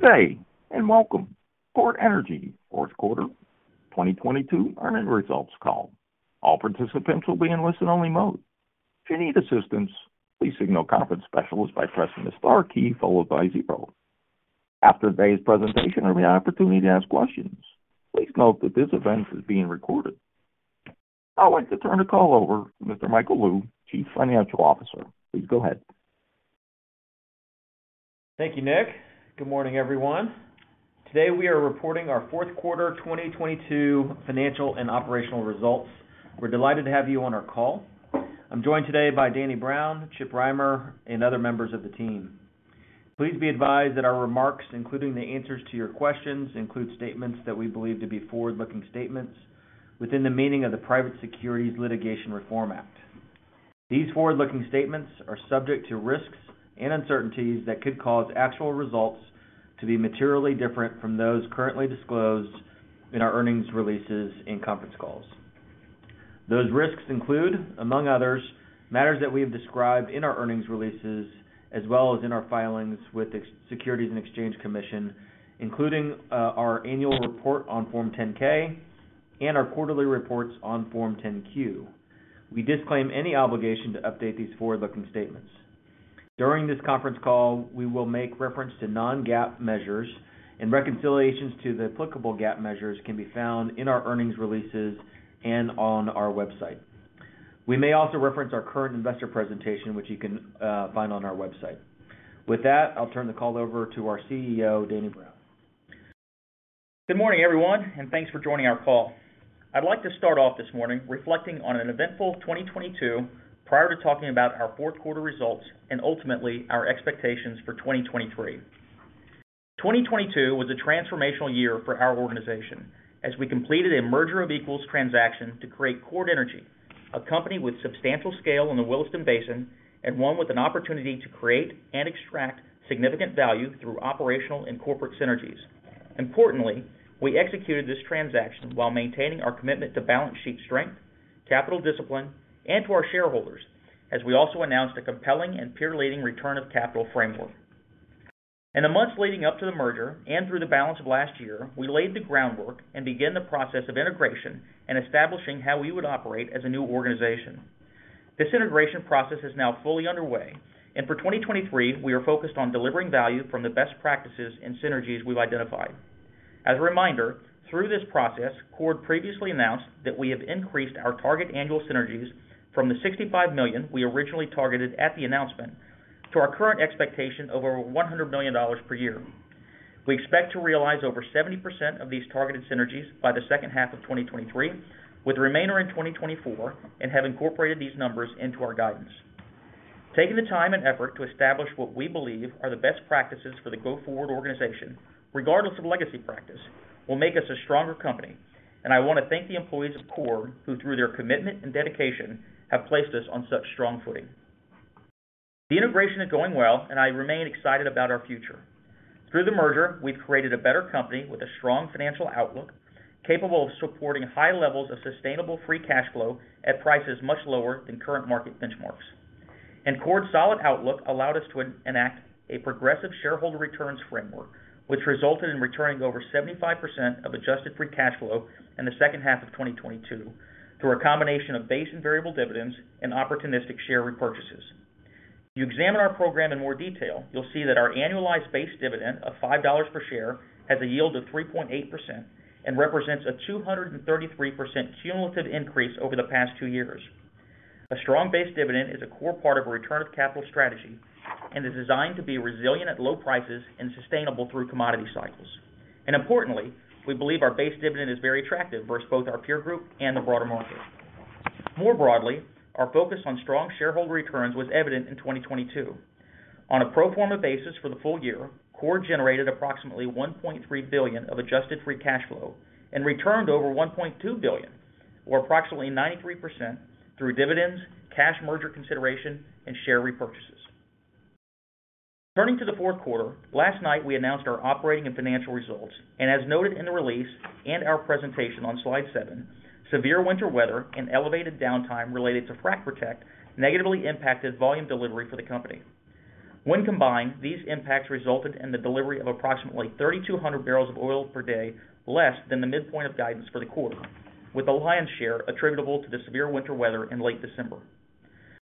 Good day, and welcome. Chord Energy Q4 2022 Earnings Results Call. After today's presentation, there will be an opportunity to ask questions. Please note that this event is being recorded. I'd like to turn the call over to Mr. Michael Lou, Chief Financial Officer. Please go ahead. Thank you, Nick. Good morning, everyone. Today, we are reporting our Q4 2022 Financial and Operational Results. We're delighted to have you on our call. I'm joined today by Danny Brown, Chip Rimer, and other members of the team. Please be advised that our remarks, including the answers to your questions, include statements that we believe to be forward-looking statements within the meaning of the Private Securities Litigation Reform Act. These forward-looking statements are subject to risks and uncertainties that could cause actual results to be materially different from those currently disclosed in our earnings releases and conference calls. Those risks include, among others, matters that we have described in our earnings releases, as well as in our filings with the Securities and Exchange Commission including our annual report on Form 10-K and our quarterly reports on Form 10-Q. We disclaim any obligation to update these forward-looking statements. During this conference call, we will make reference to non-GAAP measures and reconciliations to the applicable GAAP measures can be found in our earnings releases and on our website. We may also reference our current investor presentation, which you can find on our website. I'll turn the call over to our CEO, Danny Brown. Good morning, everyone. Thanks for joining our call. I'd like to start off this morning reflecting on an eventful 2022 prior to talking about our Q4 results and ultimately our expectations for 2023. 2022 was a transformational year for our organization as we completed a merger of equals transaction to create Chord Energy, a company with substantial scale in the Williston Basin, and one with an opportunity to create and extract significant value through operational and corporate synergies. Importantly, we executed this transaction while maintaining our commitment to balance sheet strength, capital discipline, and to our shareholders, as we also announced a compelling and peer-leading return of capital framework. In the months leading up to the merger and through the balance of last year, we laid the groundwork and began the process of integration and establishing how we would operate as a new organization. This integration process is now fully underway and for 2023, we are focused on delivering value from the best practices and synergies we've identified. As a reminder, through this process Chord previously announced that we have increased our target annual synergies from the $65 million we originally targeted at the announcement to our current expectation over $100 million per year. We expect to realize over 70% of these targeted synergies by the second half of 2023, with the remainder in 2024 and have incorporated these numbers into our guidance. Taking the time and effort to establish what we believe are the best practices for the go-forward organization, regardless of legacy practice, will make us a stronger company, and I wanna thank the employees of Chord, who through their commitment and dedication have placed us on such strong footing. The integration is going well, and I remain excited about our future. Through the merger we've created a better company with a strong financial outlook capable of supporting high levels of sustainable free cash flow at prices much lower than current market benchmarks. Chord's solid outlook allowed us to enact a progressive shareholder returns framework, which resulted in returning over 75% of Adjusted Free Cash Flow in the second half of 2022 through a combination of base and variable dividends and opportunistic share repurchases. If you examine our program in more detail, you'll see that our annualized base dividend of $5 per share has a yield of 3.8% and represents a 233% cumulative increase over the past two years. A strong base dividend is a core part of a return of capital strategy and is designed to be resilient at low prices and sustainable through commodity cycles. Importantly, we believe our base dividend is very attractive versus both our peer group and the broader market. More broadly, our focus on strong shareholder returns was evident in 2022. On a pro forma basis for the full year, Chord generated approximately $1.3 billion of Adjusted Free Cash Flow and returned over $1.2 billion, or approximately 93%, through dividends, cash merger consideration, and share repurchases. Turning to the Q4, last night we announced our operating and financial results. As noted in the release and our presentation on slide seven, severe winter weather and elevated downtime related to frac protect negatively impacted volume delivery for the company. When combined, these impacts resulted in the delivery of approximately 3,200 barrels of oil per day, less than the midpoint of guidance for the quarter with the lion's share attributable to the severe winter weather in late December.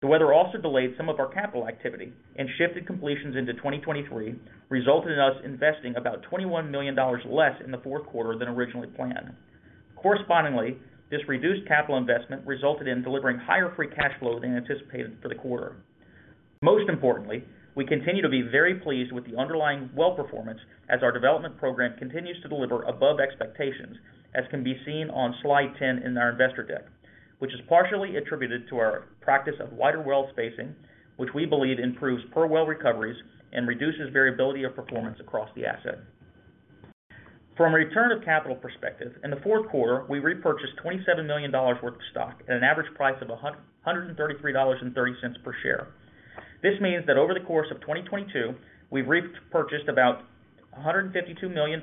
The weather also delayed some of our capital activity and shifted completions into 2023 resulting in us investing about $21 million less in the Q4 than originally planned. Correspondingly, this reduced capital investment resulted in delivering higher free cash flow than anticipated for the quarter. Most importantly, we continue to be very pleased with the underlying well performance as our development program continues to deliver above expectations as can be seen on slide 10 in our investor deck, which is partially attributed to our practice of wider well spacing, which we believe improves per well recoveries and reduces variability of performance across the asset. From a return of capital perspective, in the Q4 we repurchased $27 million worth of stock at an average price of $133.30 per share. This means that over the course of 2022 we've repurchased about $152 million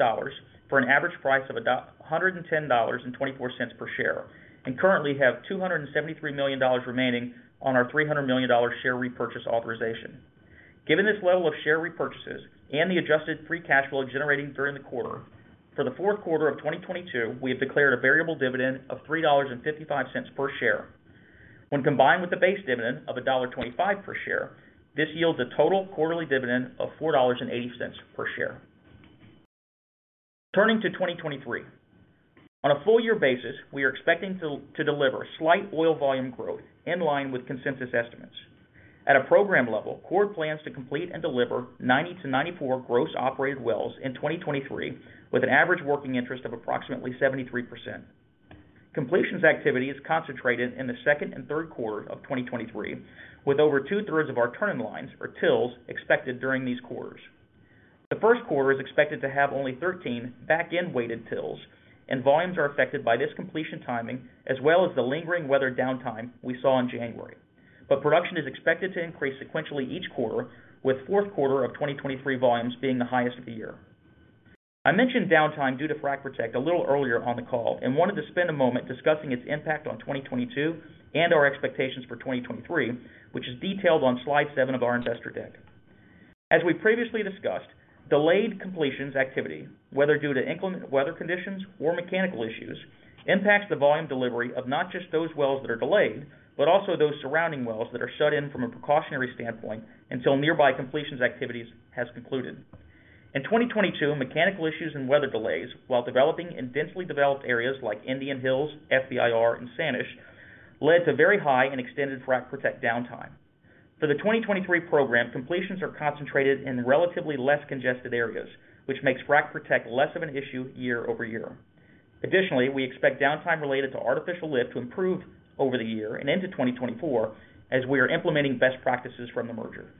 for an average price of $110.24 per share, and currently have $273 million remaining on our $300 million share repurchase authorization. Given this level of share repurchases and the Adjusted Free Cash Flow generated during the quarter, for the Q4 of 2022, we have declared a variable dividend of $3.55 per share. When combined with the base dividend of $1.25 per share, this yields a total quarterly dividend of $4.80 per share. Turning to 2023. On a full year basis, we are expecting to deliver slight oil volume growth in line with consensus estimates. At a program level, Chord plans to complete and deliver 90-94 gross operated wells in 2023 with an average working interest of approximately 73%. Completions activity is concentrated in the Q2 and Q3 of 2023, with over 2/3 of our turning lines, or TILs, expected during these quarters. The Q1 is expected to have only 13 back-end weighted TILs. Volumes are affected by this completion timing, as well as the lingering weather downtime we saw in January. Production is expected to increase sequentially each quarter, with Q4 of 2023 volumes being the highest of the year. I mentioned downtime due to frac protect a little earlier on the call and wanted to spend a moment discussing its impact on 2022 and our expectations for 2023, which is detailed on slide seven of our investor deck. As we previously discussed, delayed completions activity, whether due to inclement weather conditions or mechanical issues, impacts the volume delivery of not just those wells that are delayed, but also those surrounding wells that are shut in from a precautionary standpoint until nearby completions activities has concluded. In 2022, mechanical issues and weather delays, while developing in densely developed areas like Indian Hills, FBIR, and Sanish, led to very high and extended frac protect downtime. For the 2023 program, completions are concentrated in relatively less congested areas, which makes frac protect less of an issue year-over-year. Additionally, we expect downtime related to artificial lift to improve over the year and into 2024, as we are implementing best practices from the merger.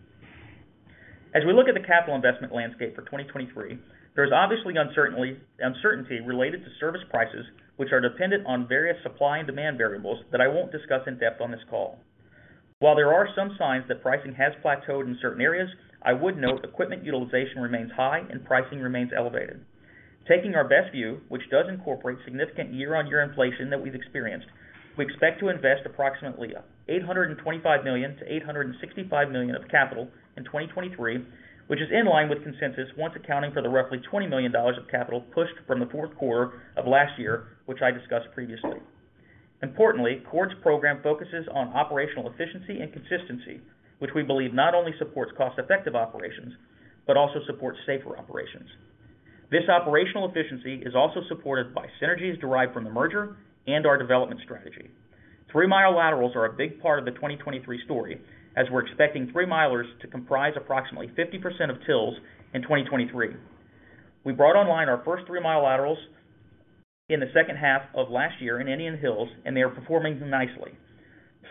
As we look at the capital investment landscape for 2023, there is obviously uncertainty related to service prices, which are dependent on various supply and demand variables that I won't discuss in depth on this call. While there are some signs that pricing has plateaued in certain areas, I would note equipment utilization remains high and pricing remains elevated. Taking our best view, which does incorporate significant year-on-year inflation that we've experienced we expect to invest approximately $825-$865 million of capital in 2023, which is in line with consensus once accounting for the roughly $20 million of capital pushed from the Q4 of last year, which I discussed previously. Importantly, Chord's program focuses on operational efficiency and consistency, which we believe not only supports cost-effective operations but also supports safer operations. This operational efficiency is also supported by synergies derived from the merger and our development strategy. Three-mile laterals are a big part of the 2023 story, as we're expecting three-milers to comprise approximately 50% of TILs in 2023. We brought online our first three-mile laterals in the second half of last year in Indian Hills, and they are performing nicely.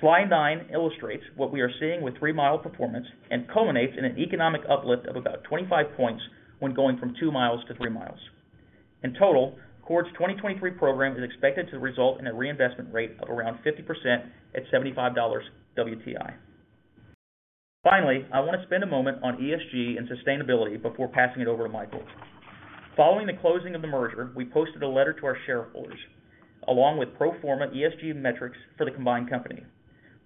Slide nine illustrates what we are seeing with three-mile performance and culminates in an economic uplift of about 25 points when going from two miles to three miles. In total, Chord's 2023 program is expected to result in a reinvestment rate of around 50% at $75 WTI. Finally, I wanna spend a moment on ESG and sustainability before passing it over to Michael. Following the closing of the merger, we posted a letter to our shareholders, along with pro forma ESG metrics for the combined company.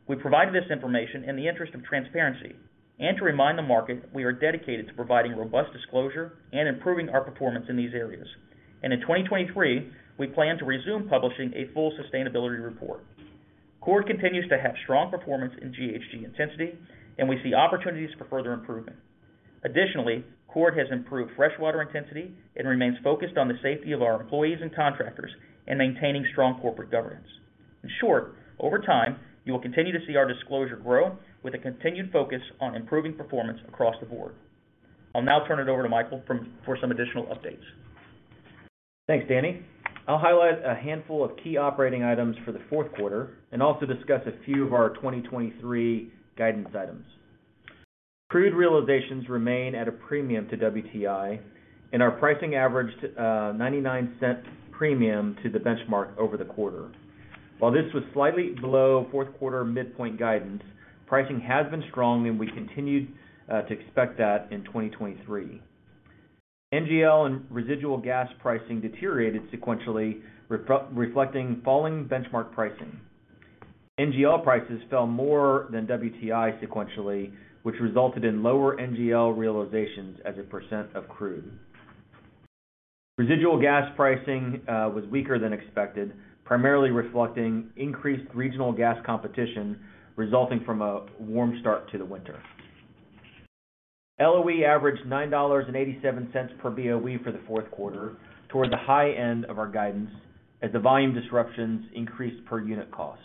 We provided this information in the interest of transparency and to remind the market we are dedicated to providing robust disclosure and improving our performance in these areas. In 2023, we plan to resume publishing a full sustainability report. Chord continues to have strong performance in GHG intensity, and we see opportunities for further improvement. Additionally, Chord has improved freshwater intensity and remains focused on the safety of our employees and contractors and maintaining strong corporate governance. In short, over time you will continue to see our disclosure grow with a continued focus on improving performance across the board. I'll now turn it over to Michael for some additional updates. Thanks, Danny. I'll highlight a handful of key operating items for the Q4 and also discuss a few of our 2023 guidance items. Crude realizations remain at a premium to WTI, and our pricing averaged $0.99 premium to the benchmark over the quarter. While this was slightly below Q4 midpoint guidance, pricing has been strong, and we continued to expect that in 2023. NGL and residual gas pricing deteriorated sequentially reflecting falling benchmark pricing. NGL prices fell more than WTI sequentially, which resulted in lower NGL realizations as a percent of crude. Residual gas pricing was weaker than expected, primarily reflecting increased regional gas competition resulting from a warm start to the winter. LOE averaged $9.87 per BOE for the Q4, toward the high end of our guidance, as the volume disruptions increased per unit costs.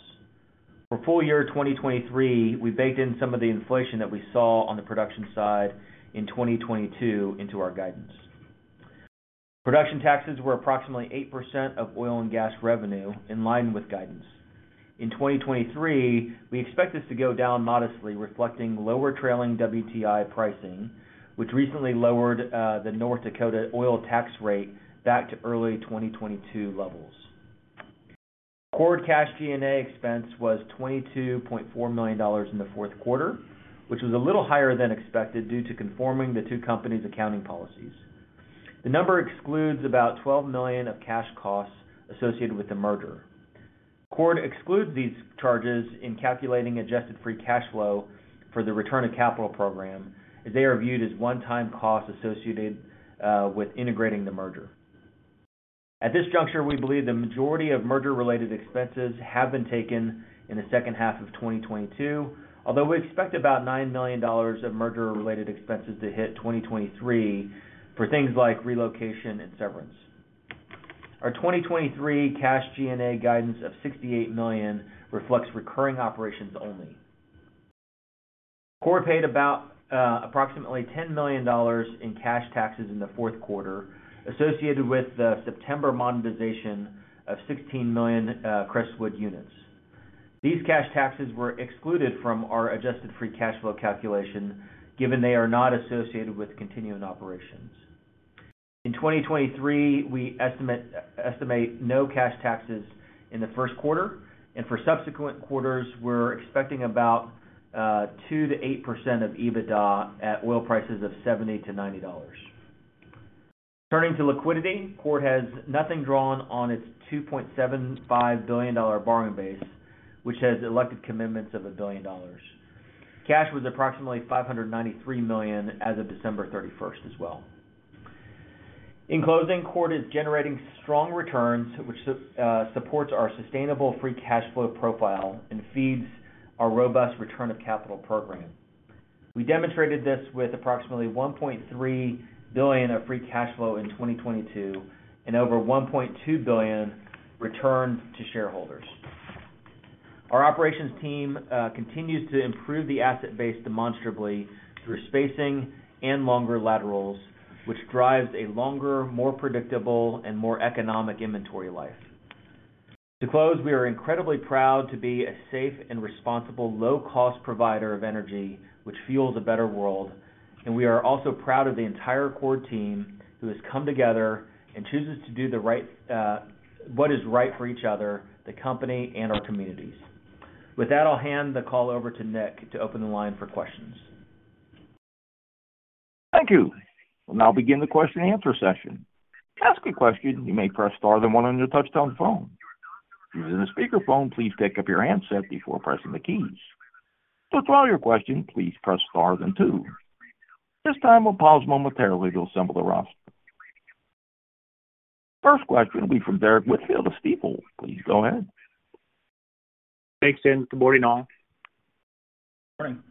For full year 2023, we baked in some of the inflation that we saw on the production side in 2022 into our guidance. Production taxes were approximately 8% of oil and gas revenue in line with guidance. In 2023, we expect this to go down modestly reflecting lower trailing WTI pricing, which recently lowered the North Dakota oil tax rate back to early 2022 levels. Chord cash G&A expense was $22.4 million in the Q4, which was a little higher than expected due to conforming the two companies' accounting policies. The number excludes about $12 million of cash costs associated with the merger. Chord excludes these charges in calculating Adjusted Free Cash Flow for the return of capital program, as they are viewed as one-time costs associated with integrating the merger. At this juncture we believe the majority of merger-related expenses have been taken in the second half of 2022. Although we expect about $9 million of merger-related expenses to hit 2023 for things like relocation and severance. Our 2023 cash G&A guidance of $68 million reflects recurring operations only. Chord Energy paid about approximately $10 million in cash taxes in the Q4 associated with the September monetization of 16 million Crestwood units. These cash taxes were excluded from our Adjusted Free Cash Flow calculation given they are not associated with continuing operations. In 2023, we estimate no cash taxes in the Q1, and for subsequent quarters, we're expecting about 2%-8% of EBITDA at oil prices of $70-$90. Turning to liquidity, Chord has nothing drawn on its $2.75 billion borrowing base, which has elected commitments of $1 billion. Cash was approximately $593 million as of December 31st as well. In closing, Chord is generating strong returns, which supports our sustainable free cash flow profile and feeds our robust return of capital program. We demonstrated this with approximately $1.3 billion of free cash flow in 2022 and over $1.2 billion returned to shareholders. Our operations team continues to improve the asset base demonstrably through spacing and longer laterals, which drives a longer, more predictable and more economic inventory life. To close, we are incredibly proud to be a safe and responsible low-cost provider of energy, which fuels a better world and we are also proud of the entire Chord team who has come together and chooses to do the right, what is right for each other, the company, and our communities. With that, I'll hand the call over to Nick to open the line for questions. Thank you. We'll now begin the question and answer session. First question will be from Derrick Whitfield of Stifel. Please go ahead. Thanks, Ken. Good morning, all. Morning.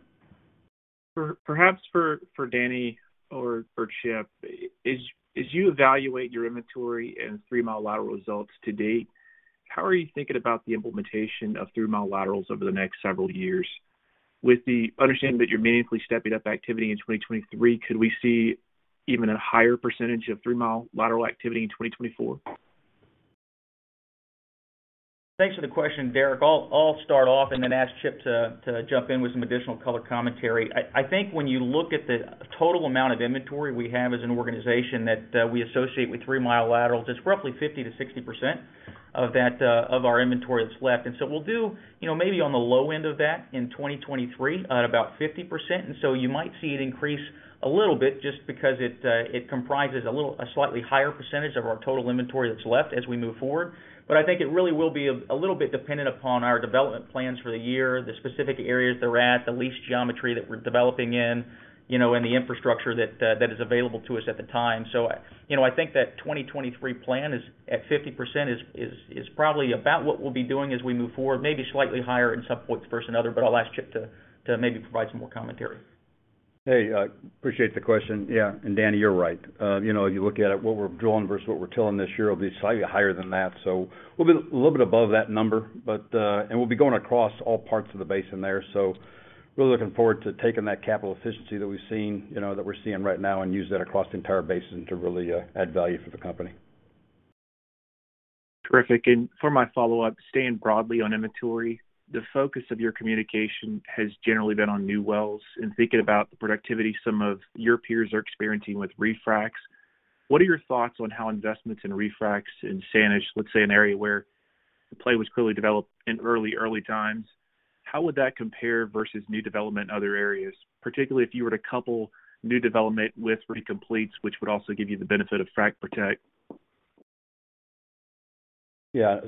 Perhaps for Danny or Chip. As you evaluate your inventory and three-mile lateral results to date, how are you thinking about the implementation of three-mile laterals over the next several years? With the understanding that you're meaningfully stepping up activity in 2023, could we see even a higher percentage of three-mile lateral activity in 2024? Thanks for the question, Derrick. I'll start off and then ask Chip to jump in with some additional color commentary. I think when you look at the total amount of inventory we have as an organization that we associate with three-mile laterals, it's roughly 50%-60% of that of our inventory that's left. We'll do, you know, maybe on the low end of that in 2023 at about 50%. You might see it increase a little bit just because it comprises a slightly higher percentage of our total inventory that's left as we move forward. I think it really will be a little bit dependent upon our development plans for the year, the specific areas they're at, the lease geometry that we're developing in, you know, and the infrastructure that is available to us at the time. You know, I think that 2023 plan is, at 50% is probably about what we'll be doing as we move forward, maybe slightly higher in some points versus another, but I'll ask Chip to maybe provide some more commentary. Hey, appreciate the question. Yeah, Danny, you're right. You know, you look at it, what we're drilling versus what we're TILs this year will be slightly higher than that, so we'll be a little bit above that number. We'll be going across all parts of the basin there. Really looking forward to taking that capital efficiency that we've seen, you know, that we're seeing right now and use that across the entire basin to really add value for the company. Terrific. For my follow-up, staying broadly on inventory, the focus of your communication has generally been on new wells. In thinking about the productivity some of your peers are experiencing with refracs, what are your thoughts on how investments in refracs in Sanish, let's say an area where the play was clearly developed in early times, how would that compare versus new development in other areas? Particularly if you were to couple new development with recompletes, which would also give you the benefit of frac protect? Yeah,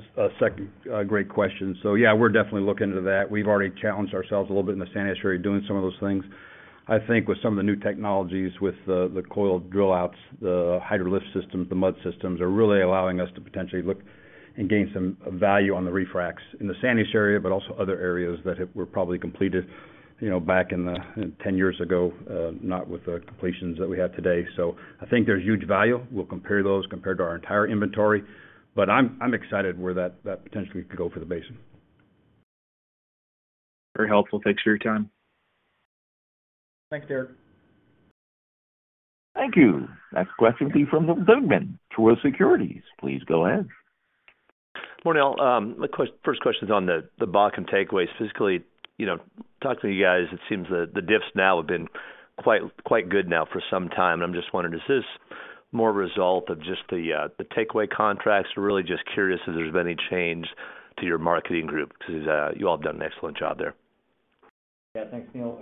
great question. Yeah, we're definitely looking into that. We've already challenged ourselves a little bit in the Sanish area doing some of those things. I think with some of the new technologies with the coil drill outs, the hydro lift systems, the mud systems are really allowing us to potentially look and gain some value on the refracs in the Sanish area, but also other areas that were probably completed, you know, back in the, 10 years ago, not with the completions that we have today. I think there's huge value. We'll compare those compared to our entire inventory, but I'm excited where that potentially could go for the basin. Very helpful. Thanks for your time. Thanks, Derrick. Thank you. Next question will be from Neil Dingmann, Truist Securities. Please go ahead. Morning, all. My first question is on the Bakken takeaways. Physically, you know, talking to you guys, it seems the diffs now have been quite good now for some time. I'm just wondering, is this more a result of just the takeaway contracts? Really just curious if there's been any change to your marketing group, 'cause you all have done an excellent job there. Thanks, Neil.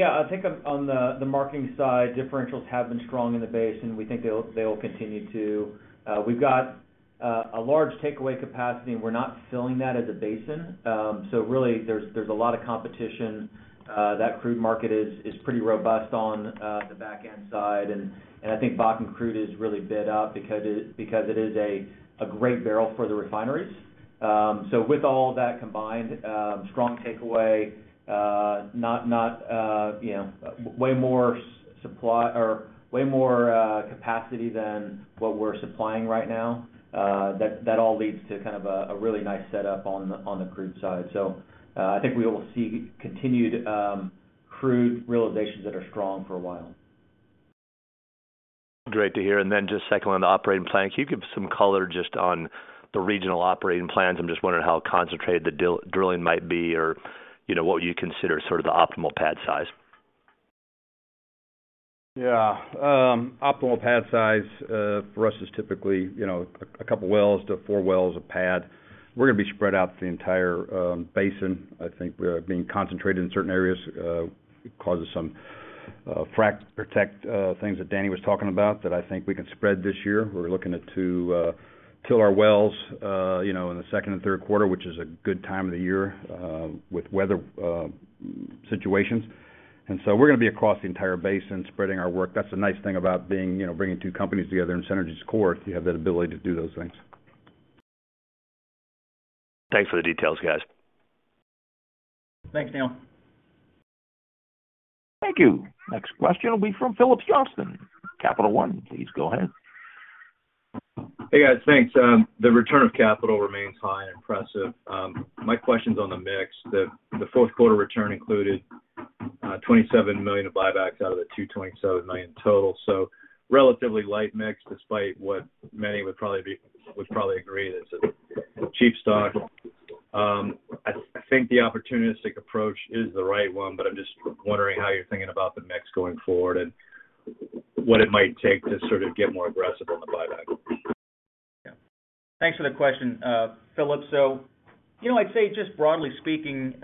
I think on the marketing side, differentials have been strong in the basin. We think they will continue to. We've got a large takeaway capacity, and we're not filling that as a basin. Really there's a lot of competition. That crude market is pretty robust on the back-end side. I think Bakken crude is really bid up because it is a great barrel for the refineries. With all of that combined, strong takeaway, not, you know, way more supply or way more capacity than what we're supplying right now, that all leads to kind of a really nice setup on the crude side. I think we will see continued crude realizations that are strong for a while. Great to hear. Just second one on the operating plan. Can you give some color just on the regional operating plans? I'm just wondering how concentrated the drilling might be or, you know, what you consider sort of the optimal pad size? Yeah. Optimal pad size for us is typically, you know, a couple wells to four wells a pad. We're gonna be spread out through the entire basin. I think we are being concentrated in certain areas causes some frac protect things that Danny was talking about that I think we can spread this year. We're looking at to till our wells, you know, in the Q2 and Q3, which is a good time of the year with weather situations. We're gonna be across the entire basin spreading our work. That's the nice thing about being, you know, bringing two companies together in Synergy's core is you have that ability to do those things. Thanks for the details, guys. Thanks, Neil. Thank you. Next question will be from Phillips Johnston, Capital One. Please go ahead. Hey, guys. Thanks. The return of capital remains high and impressive. My question's on the mix. The Q4 return included $27 million of buybacks out of the $227 million total. Relatively light mix despite what many would probably agree that's a cheap stock. I think the opportunistic approach is the right one, but I'm just wondering how you're thinking about the mix going forward and what it might take to sort of get more aggressive on the buyback. Yeah. Thanks for the question, Phillips. You know, I'd say just broadly speaking,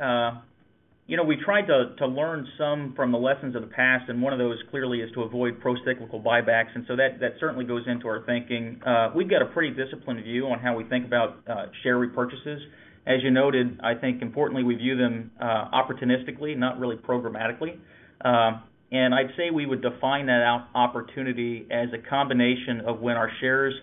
you know, we try to learn some from the lessons of the past, one of those clearly is to avoid procyclical buybacks. That certainly goes into our thinking. We've got a pretty disciplined view on how we think about share repurchases. As you noted, I think importantly, we view them opportunistically, not really programmatically. I'd say we would define that out opportunity as a combination of when our shares,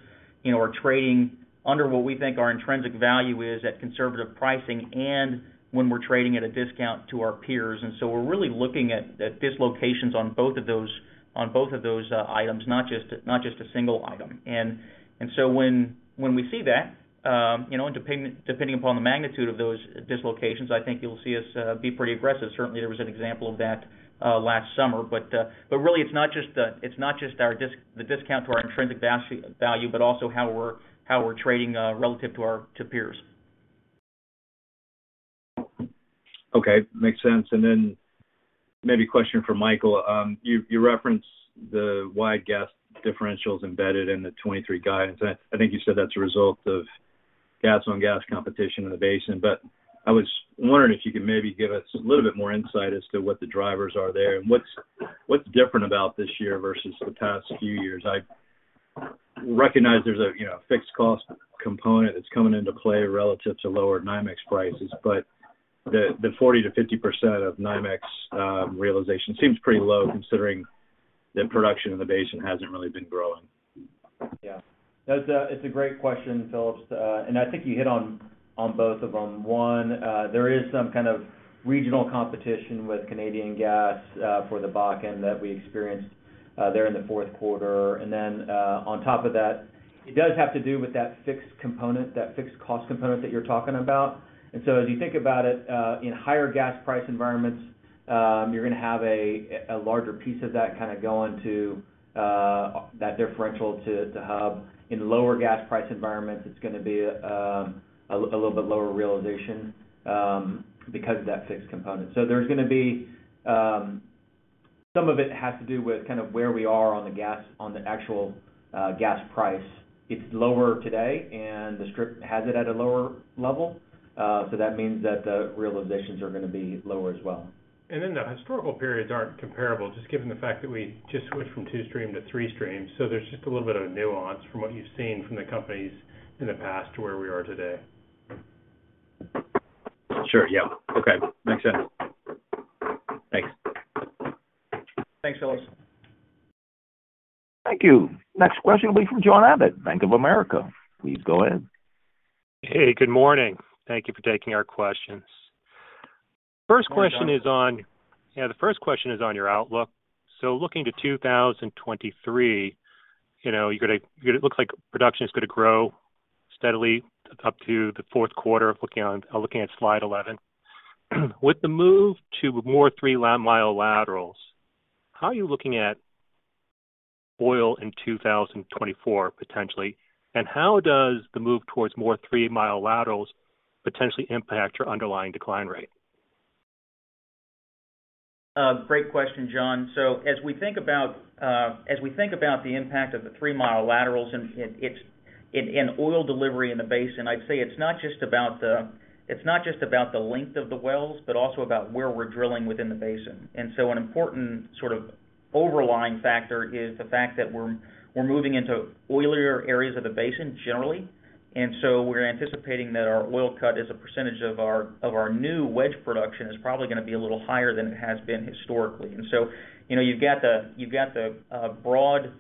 you know, are trading under what we think our intrinsic value is at conservative pricing and when we're trading at a discount to our peers. We're really looking at dislocations on both of those items, not just a single item. When we see that, you know, depending upon the magnitude of those dislocations, I think you'll see us be pretty aggressive. Certainly, there was an example of that last summer. Really it's not just the discount to our intrinsic value, but also how we're trading relative to peers. Okay. Makes sense. Then maybe a question for Michael. You referenced the wide gas differentials embedded in the 2023 guidance. I think you said that's a result of gas-on-gas competition in the basin. I was wondering if you could maybe give us a little bit more insight as to what the drivers are there and what's different about this year versus the past few years. I recognize there's a, you know, fixed cost component that's coming into play relative to lower NYMEX prices, but the 40%-50% of NYMEX realization seems pretty low considering that production in the basin hasn't really been growing. Yeah. That's a great question, Phillips, and I think you hit on both of them. One, there is some kind of regional competition with Canadian Gas for the Bakken that we experienced there in the Q4. Then, on top of that, it does have to do with that fixed component, that fixed cost component that you're talking about. As you think about it, in higher gas price environments, you're gonna have a larger piece of that kind a go into that differential to hub. In lower gas price environments, it's gonna be a little bit lower realization because of that fixed component. There's gonna be some of it has to do with kind of where we are on the actual gas price. It's lower today and the strip has it at a lower level. That means that the realizations are gonna be lower as well. The historical periods aren't comparable, just given the fact that we just switched from two-stream to three-stream. There's just a little bit of a nuance from what you've seen from the companies in the past to where we are today. Sure. Yeah. Okay. Makes sense. Thanks. Thanks, Phillips. Thank you. Next question will be from John Abbott, Bank of America. Please go ahead. Hey, good morning. Thank Thank you for taking our questions. Good morning, John. Yeah, the first question is on your outlook. Looking to 2023, you know, it looks like production is gonna grow steadily up to the Q4, looking at slide 11. With the move to more three-mile laterals, how are you looking at oil in 2024 potentially? How does the move towards more three-mile laterals potentially impact your underlying decline rate? Great question, John. As we think about, as we think about the impact of the three-mile laterals and oil delivery in the basin, I'd say it's not just about the length of the wells, but also about where we're drilling within the basin. An important sort of overlying factor is the fact that we're moving into oilier areas of the basin generally. We're anticipating that our oil cut as a percentage of our, of our new wedge production is probably gonna be a little higher than it has been historically. You know, you've got the broad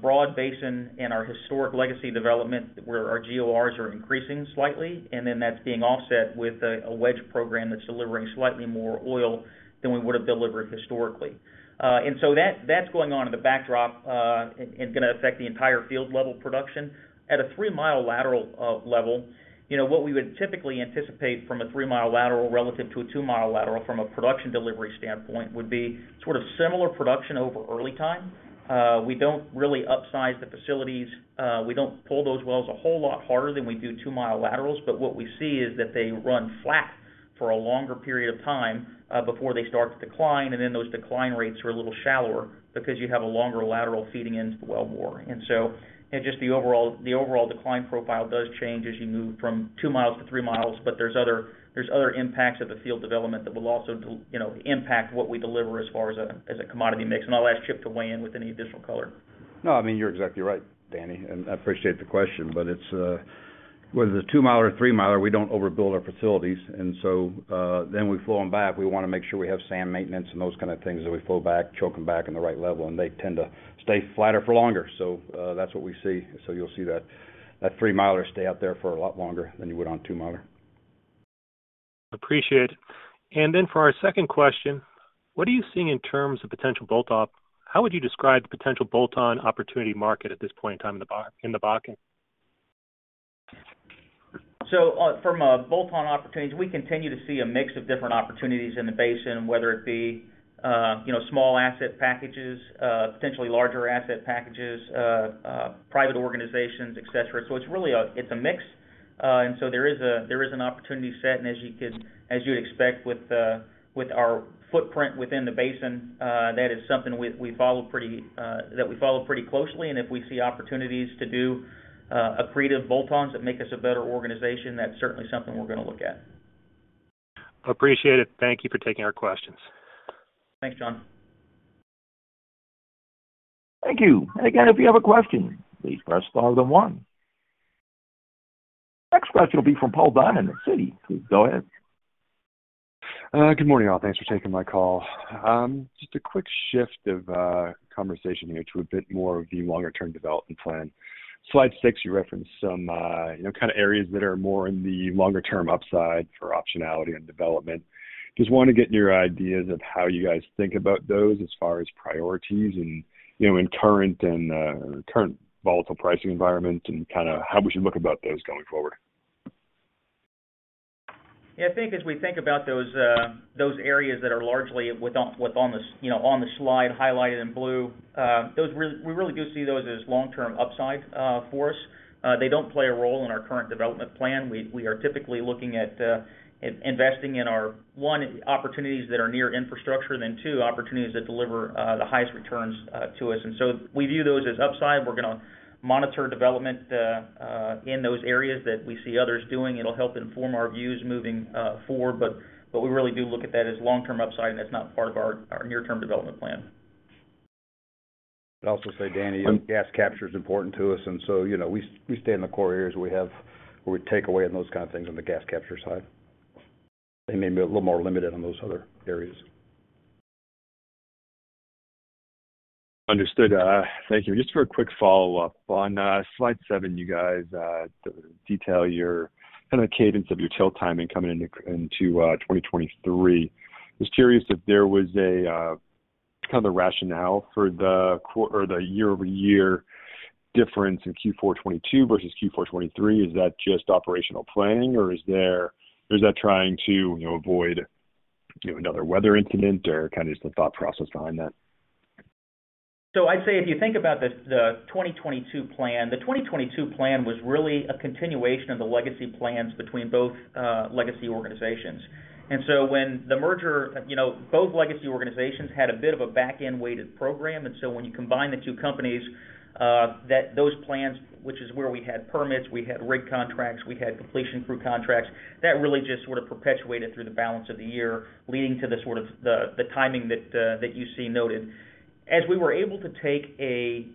broad basin in our historic legacy development where our GORs are increasing slightly, and then that's being offset with a wedge program that's delivering slightly more oil than we would have delivered historically. That, that's going on in the backdrop, and gonna affect the entire field level production. At a three-mile lateral level, you know, what we would typically anticipate from a three-mile lateral relative to a two-mile lateral from a production delivery standpoint would be sort of similar production over early time. We don't really upsize the facilities. We don't pull those wells a whole lot harder than we do two-mile laterals. What we see is that they run flat for a longer period of time, before they start to decline. Those decline rates are a little shallower because you have a longer lateral feeding into the wellbore. Just the overall decline profile does change as you move from two miles to three miles. There's other impacts of the field development that will also, you know, impact what we deliver as far as a, as a commodity mix. I'll ask Chip to weigh in with any additional color. No, I mean, you're exactly right, Danny, and I appreciate the question. It's whether it's a two-miler or three-miler, we don't overbuild our facilities. Then we flow 'em back. We wanna make sure we have sand maintenance and those kind of things that we flow back, choke 'em back in the right level, and they tend to stay flatter for longer. That's what we see. You'll see that three-miler stay out there for a lot longer than you would on a two-miler. Appreciate it. For our second question, what are you seeing in terms of potential bolt-on? How would you describe the potential bolt-on opportunity market at this point in time in the Bakken? From a bolt-on opportunities, we continue to see a mix of different opportunities in the basin, whether it be, you know, small asset packages, potentially larger asset packages, private organizations, et cetera. It's really a mix. There is a, there is an opportunity set, and as you could, as you would expect with our footprint within the basin that is something we follow pretty, that we follow pretty closely. If we see opportunities to do accretive bolt-ons that make us a better organization, that's certainly something we're gonna look at. Appreciate it. Thank you for taking our questions. Thanks, John. Thank you. Next question will be from Paul Diamond in the Citi. Please go ahead. Good morning, all. Thanks for taking my call. Just a quick shift of conversation here to a bit more of the longer term development plan. Slide six, you referenced some, you know, kind of areas that are more in the longer term upside for optionality and development. Just wanna get your ideas of how you guys think about those as far as priorities and, you know, in current and current volatile pricing environment and kind a how we should look about those going forward. Yeah, I think as we think about those areas that are largely on the, you know, on the slide highlighted in blue, we really do see those as long-term upside for us. They don't play a role in our current development plan. We are typically looking at investing in our, one, opportunities that are near infrastructure, and then two, opportunities that deliver the highest returns to us. We view those as upside. We're gonna monitor development in those areas that we see others doing it'll help inform our views moving forward. We really do look at that as long-term upside, and that's not part of our near-term development plan. I'd also say, Danny, gas capture is important to us and so, you know, we stay in the core areas where we take away on those kind of things on the gas capture side. They may be a little more limited on those other areas. Understood. Thank you. Just for a quick follow-up. On slide seven, you guys detail your kind a cadence of your till timing coming into 2023. Just curious if there was a kind of the rationale for the or the year-over-year difference in Q4 2022 versus Q4 2023. Is that just operational planning or is that trying to, you know, avoid, you know, another weather incident or kind a just the thought process behind that? I'd say if you think about the 2022 plan, the 2022 plan was really a continuation of the legacy plans between both legacy organizations. You know, both legacy organizations had a bit of a back-end-weighted program, when you combine the two companies, that, those plans, which is where we had permits, we had rig contracts, we had completion crew contracts, that really just sort of perpetuated through the balance of the year, leading to the sort of the timing that you see noted. As we were able to take a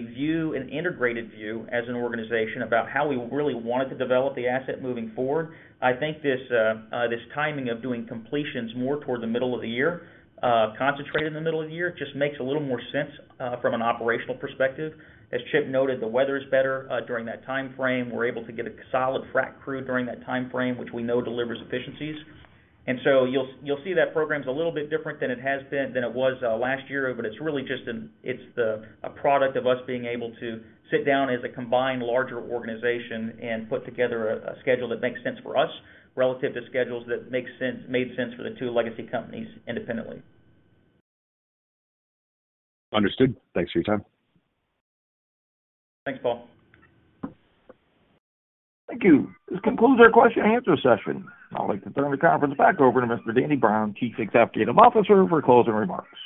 view, an integrated view as an organization about how we really wanted to develop the asset moving forward, I think this timing of doing completions more toward the middle of the year, concentrated in the middle of the year, just makes a little more sense from an operational perspective. As Chip noted, the weather is better during that timeframe. We're able to get a solid frac crew during that timeframe, which we know delivers efficiencies. You'll see that program's a little bit different than it was last year, but it's really just it's a product of us being able to sit down as a combined larger organization and put together a schedule that makes sense for us relative to schedules that made sense for the two legacy companies independently. Understood. Thanks for your time. Thanks, Paul. Thank you. This concludes our question and answer session. I'd like to turn the conference back over to Mr. Danny Brown, Chief Executive Officer, for closing remarks.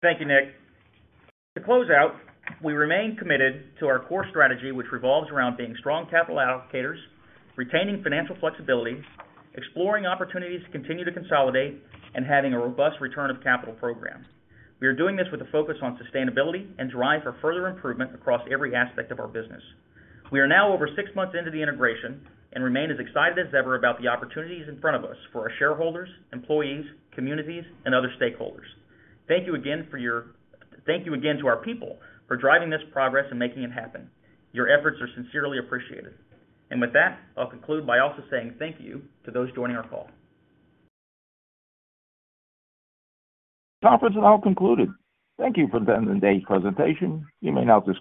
Thank you, Nick. To close out, we remain committed to our core strategy, which revolves around being strong capital allocators, retaining financial flexibility, exploring opportunities to continue to consolidate, and having a robust return of capital program. We are doing this with a focus on sustainability and drive for further improvement across every aspect of our business. We are now over six months into the integration and remain as excited as ever about the opportunities in front of us for our shareholders, employees, communities, and other stakeholders. Thank you again to our people for driving this progress and making it happen. Your efforts are sincerely appreciated. With that, I'll conclude by also saying thank you to those joining our call. Conference is now concluded. Thank you for attending today's presentation. You may now disconnect.